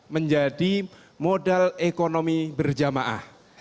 menjadi modal ekonomi berjamaah